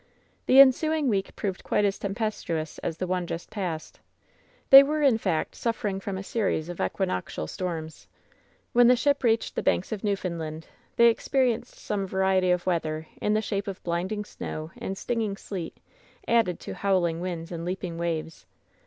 The ensuing week proved quite as tempestuous as the one just passed. They were, in fact, suffering from a series of equinoc tial storms. When the ship reached the Banks of Newfoundland they experienced some variety of weather in the shape of blinding snow and stinging sleet, added to howling winda and leaping waves.